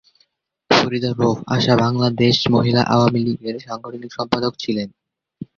ফরিদা রউফ আশা বাংলাদেশ মহিলা আওয়ামী লীগের সাংগঠনিক সম্পাদক ছিলেন।